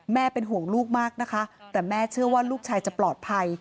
เป็นห่วงลูกมากนะคะแต่แม่เชื่อว่าลูกชายจะปลอดภัย